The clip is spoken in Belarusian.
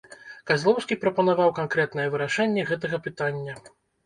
Казлоўскі прапанаваў канкрэтнае вырашэнне гэтага пытання.